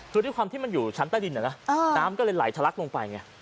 คือด้วยความที่มันอยู่ชั้นใต้ดินน้ำก็เลยไหลทะลักลงไปไง